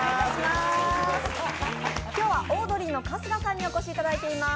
今日はオードリーの春日さんにお越しいただいています。